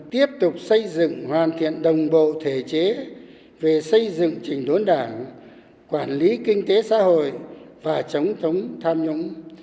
tiếp tục xây dựng hoàn thiện đồng bộ thể chế về xây dựng trình đốn đảng quản lý kinh tế xã hội và chống thống tham nhũng